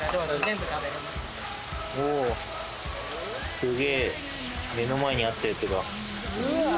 すげえ目の前にあったやつが。